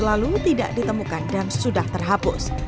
lalu tidak ditemukan dan sudah terhapus